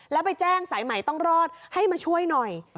แล้วไปแจ้งสายใหม่ต้องรอดให้มาช่วยหน่อย